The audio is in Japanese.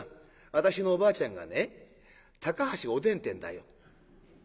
私のおばあちゃんがね高橋お伝ってんだよ」。